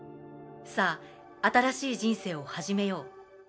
さぁ新しい人生を始めよう。